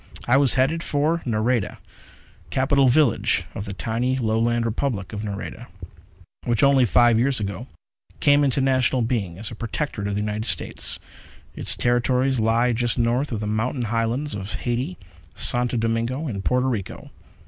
I was headed for Nareda, capital village of the tiny Lowland Republic of Nareda, which only five years ago came into national being as a protectorate of the United States. Its territory lies just north of the mountain Highlands of Haiti, Santo Domingo and Porto Rico.